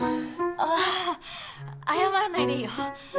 ああ謝らないでいいよ。